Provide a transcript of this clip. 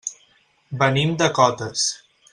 Venim de Cotes.